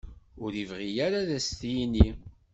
Ur ibɣi ara ad as-t-yini.